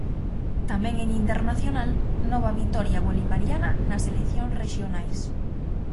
Tamén en Internacional, 'Nova vitoria bolivariana nas eleccións rexionais'.